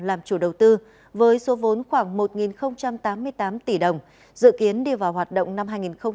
làm chủ đầu tư với số vốn khoảng một tám mươi tám tỷ đồng dự kiến đi vào hoạt động năm hai nghìn hai mươi